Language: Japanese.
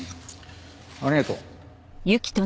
ありがとう。